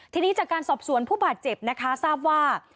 ทีนี้จากการสอบสวนผู้บาดเจ็บนะคะทราบว่า